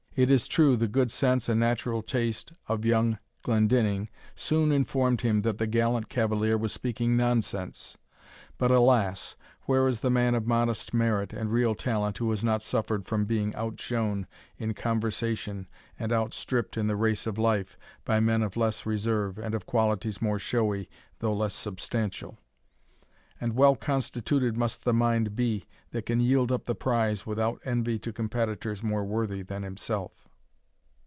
It is true the good sense and natural taste of young Glendinning soon informed him that the gallant cavalier was speaking nonsense. But, alas! where is the man of modest merit, and real talent, who has not suffered from being outshone in conversation and outstripped in the race of life, by men of less reserve, and of qualities more showy, though less substantial? and well constituted must the mind be, that can yield up the prize without envy to competitors more worthy than himself.